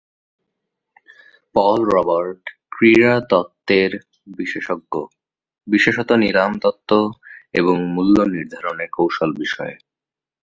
পল Robert ক্রীড়া তত্ত্বের বিশেষজ্ঞ, বিশেষত নিলাম তত্ত্ব এবং মূল্য নির্ধারণের কৌশল বিষয়ে।